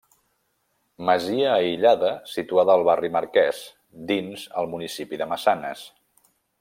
Masia aïllada situada al barri Marquès, dins el municipi de Massanes.